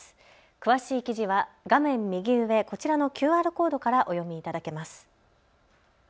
詳しい記事は画面右上、こちらのＱＲコードからお読みいただけます。